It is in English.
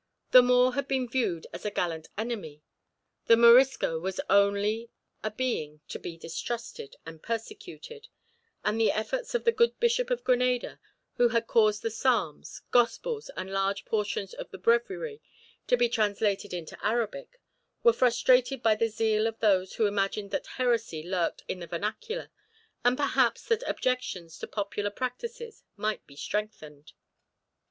The Moor had been viewed as a gallant enemy, the Morisco was only a being to be distrusted and persecuted; and the efforts of the good Bishop of Granada, who had caused the Psalms, Gospels, and large portions of the Breviary to be translated into Arabic, were frustrated by the zeal of those who imagined that heresy lurked in the vernacular, and perhaps that objections to popular practices might be strengthened.